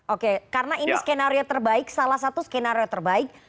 oke karena ini skenario terbaik salah satu skenario terbaik